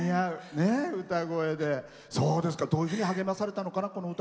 どういうふうに励まされたのかな？